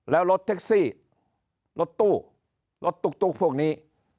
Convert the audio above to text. แล้วรถแท็กซี่รถตู้รถตุ๊กพวกนี้